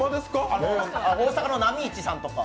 大阪のなみいちさんとか。